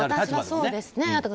そうですね。